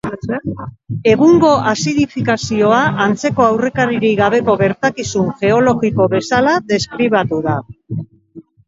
Egungo azidifikazioa antzeko aurrekaririk gabeko gertakizun geologiko bezala deskribatu da.